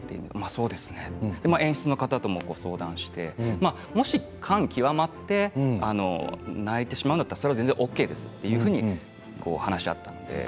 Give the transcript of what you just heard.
そうですね演出の方ともご相談してもし、感極まって泣いてしまうんだったらそれは全然ＯＫですよって話あったんです。